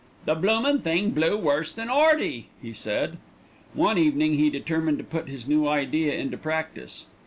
"The bloomin' thing blew worse than 'Earty," he said. One evening he determined to put his new idea into practice.